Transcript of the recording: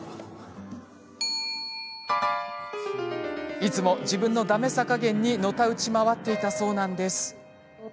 いつも自分のだめさ加減にのたうち回っていたそうなんです。